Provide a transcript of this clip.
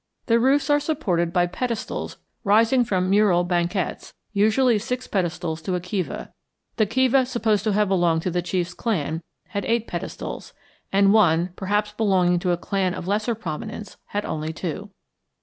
The roofs were supported by pedestals rising from mural banquettes, usually six pedestals to a kiva; the kiva supposed to have belonged to the chiefs clan had eight pedestals, and one, perhaps belonging to a clan of lesser prominence, had only two.